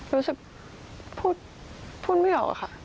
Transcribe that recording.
รู้สึกพูดไม่ออกค่ะ